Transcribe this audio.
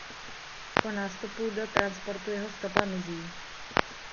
Po nástupu do transportu jeho stopa mizí.